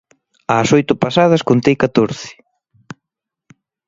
Ás oito pasadas contei catorce.